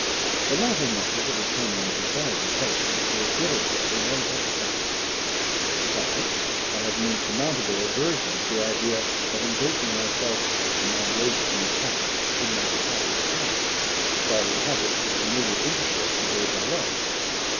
The latter method of obtaining the desired intelligence was dilatory and unsatisfactory: besides, I had an insurmountable aversion to the idea of engaging myself in my loathsome task in my father's house, while in habits of familiar intercourse with those I loved.